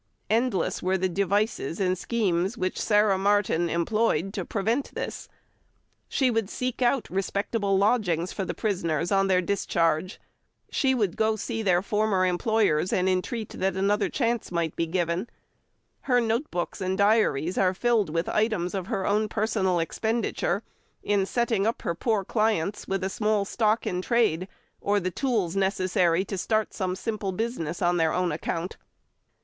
Endless were the devices and schemes which Sarah Martin employed to prevent this. She would seek out respectable lodgings for the prisoners on their discharge; she would see their former employers and entreat that another chance might be given; her note books and diaries are filled with items of her own personal expenditure in setting up her poor clients with the small stock in trade or the tools necessary to start some simple business on their own account.